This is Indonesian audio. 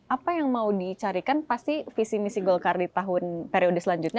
apa yang mau dicarikan pasti visi misi golkar di tahun periode selanjutnya